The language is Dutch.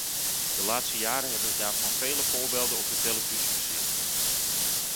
De laatste jaren hebben we daarvan vele voorbeelden op de televisie gezien.